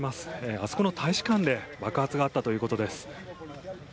あそこの大使館で爆発があったということです。